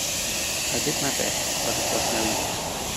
I did my best, but it was no use.